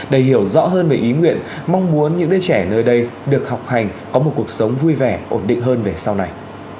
để hiểu rõ hơn về ý nguyện mong muốn những đứa trẻ nơi đây được học hành có một cuộc sống vui vẻ ổn định hơn về sau này